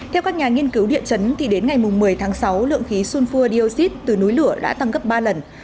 theo các nhà nghiên cứu địa chấn đến ngày một mươi tháng sáu lượng khí sulfur dioxide từ núi lửa đã tăng gấp ba lần